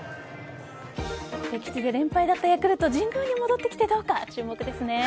敵地で連敗だったヤクルト神宮に戻ってきてどうか注目ですね。